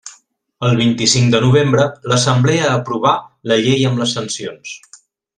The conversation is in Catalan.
El vint-i-cinc de novembre l'assemblea aprovà la llei amb les sancions.